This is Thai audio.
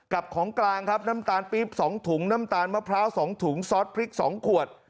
กับของกลางครับน้ำตาลปริ๊บสองถุงน้ำตาลมะพร้าวสองถุงซอสพริกสองขวด